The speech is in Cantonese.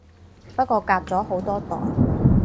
不過隔咗好多代